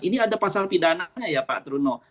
ini ada pasal pidananya ya pak truno